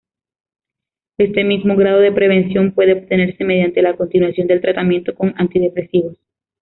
Este mismo grado de prevención puede obtenerse mediante la continuación del tratamiento con antidepresivos.